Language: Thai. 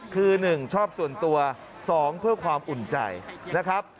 คือ๑ชอบส่วนตัว๒เพื่อความอุ่นใจนะครับ